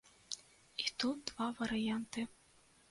І тут два варыянты.